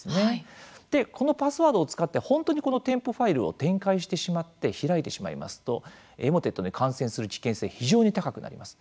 このパスワードを使って本当にこの添付ファイルを展開してしまって開いてしまいますとエモテットに感染する危険性非常に高くなります。